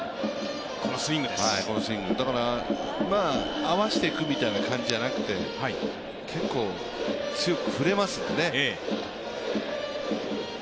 だから合わせていくみたいな感じじゃなくて、結構強く振れますんでね。